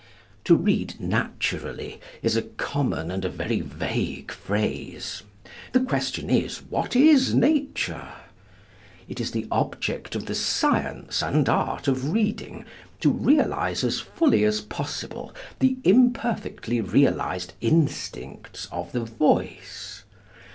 To read naturally is a common and a very vague phrase. The question is, what is nature? It is the object of the science and art of reading, to realize as fully as possible the imperfectly realized instincts of the voice.